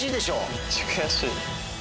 めっちゃ悔しい。